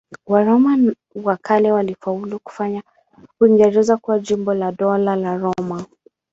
Waroma wa kale walifaulu kufanya Uingereza kuwa jimbo la Dola la Roma.